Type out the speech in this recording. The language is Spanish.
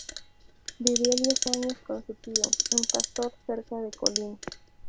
Vivió diez años con su tío, un pastor cerca de Kolín.